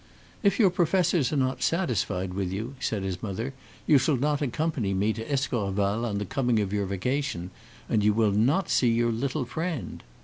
"If your professors are not satisfied with you," said his mother, "you shall not accompany me to Escorval on the coming of your vacation, and you will not see your little friend."